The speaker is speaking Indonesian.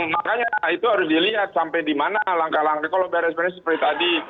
makanya itu harus dilihat sampai di mana langkah langkah kalau beres beres seperti tadi